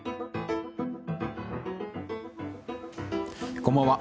こんばんは。